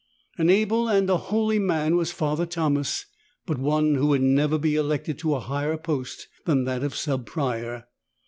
An able and a holy man was Father Thomas, but one who would never be elected to a higher post than that of Sub Prior.